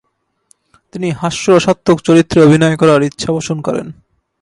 তিনি হাস্যরসাত্মক চরিত্রে অভিনয় করার ইচ্ছাপোষণ করেন।